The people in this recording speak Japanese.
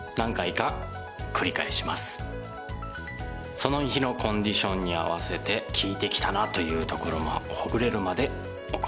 その日のコンディションに合わせて効いてきたなというところもほぐれるまで行います。